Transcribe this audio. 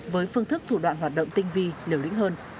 với phương thức thủ đoạn hoạt động tinh vi liều lĩnh hơn